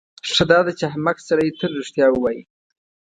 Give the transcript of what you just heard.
ښه داده چې احمق سړی تل رښتیا ووایي.